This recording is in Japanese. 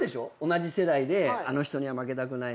同じ世代であの人には負けたくないなとか。